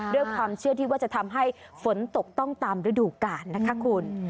ด้วยความเชื่อที่ว่าจะทำให้ฝนตกต้องตามฤดูกาลนะคะคุณ